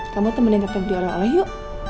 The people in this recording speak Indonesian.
kamu temenin tetep di ala ala yuk